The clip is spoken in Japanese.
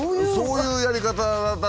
そういうやり方だと。